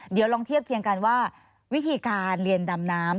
เดี๋ยวลองเทียบเคียงกันว่าวิธีการเรียนดำน้ำ